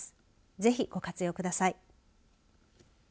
ぜひご活用ください。